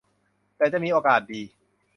แต่จะมีโอกาสดี